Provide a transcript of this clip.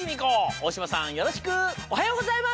大島さんよろしく！おはようございます！